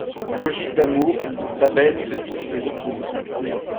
Logique d'amour: ta belle te dicte tes opinions.